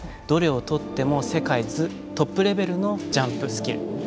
どれをとっても世界トップレベルのジャンプスキル。